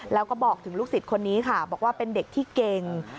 แล้วก็บอกถึงลูกศิษย์คนนี้ค่ะบอกว่าเป็นเด็กที่เก่ง